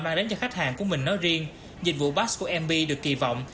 mang đến cho khách hàng của mình nói riêng dịch vụ bas của mb được kỳ vọng